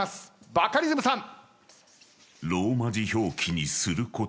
バカリズムさん。